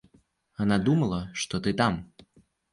Она думала, что ты там.